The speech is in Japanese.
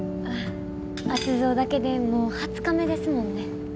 圧造だけでもう２０日目ですもんね。